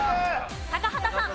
高畑さん。